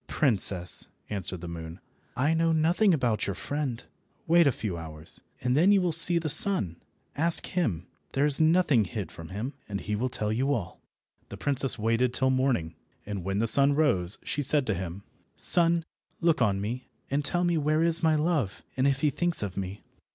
"Princess," answered the moon, "I know nothing about your friend. Wait a few hours, and then you will see the sun. Ask him. There is nothing hid from him, and he will tell you all." The princess waited till morning, and when the sun rose she said to him— "Sun, look on me, and tell me where is my love, and if he thinks of me."